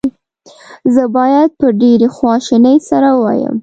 زه باید په ډېرې خواشینۍ سره ووایم.